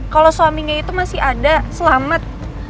kalau suaminya itu masih ada selamat